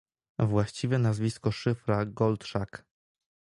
Właściwe nazwisko Szyfra Goldszlak.